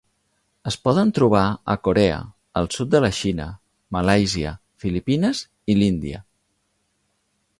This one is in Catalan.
Es poden trobar a Corea, al sud de la Xina, Malàisia, Filipines i l'Índia.